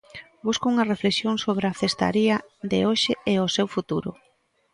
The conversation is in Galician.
Busco unha reflexión sobre a cestaría de hoxe e o seu futuro.